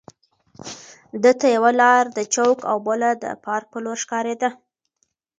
ده ته یوه لار د چوک او بله د پارک په لور ښکارېده.